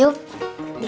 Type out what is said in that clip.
gue makin kesana pak